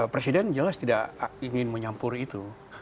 presiden jelas tidak ingin menyampuri itu